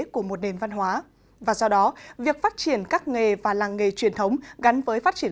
của một nền văn hóa và do đó việc phát triển các nghề và làng nghề truyền thống gắn với phát triển